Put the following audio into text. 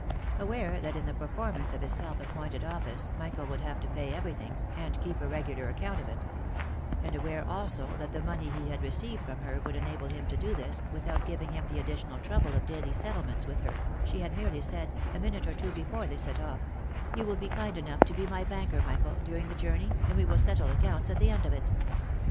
Aware that in the performance of his self appointed office Michael would have to pay every thing, and keep a regular account of it ; and aware also that the money he had received from her would enable him to do this, without giving him the additional trouble of daily settlements with her, she had merely said, a minute or two before they set off, " You will be kind enough to be my banker, Michael, during the journey, and we will settle accounts at the end of it."